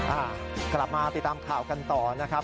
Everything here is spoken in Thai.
อ่ากลับมาติดตามข่าวกันต่อนะครับ